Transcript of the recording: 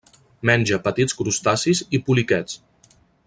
Menja petits crustacis i poliquets.